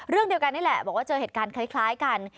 เรื่องเดียวกันนี่แหละบอกว่าเจอเหตุการณ์คล้ายกัน